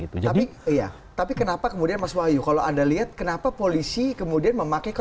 tapi iya tapi kenapa kemudian mas wahyu kalau anda lihat kenapa polisi kemudian memakai